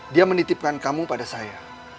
dia menitipkan kamu pada saya